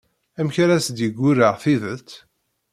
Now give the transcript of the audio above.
Amek ara as-d-yeggurraɛ tidet?